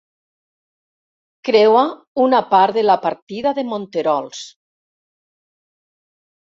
Creua una part de la partida de Monterols.